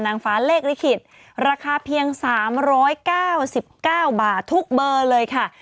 นางฟ้าเลขลิขิตราคาเพียง๓๙๙บาททุกเบอร์เลยค่ะ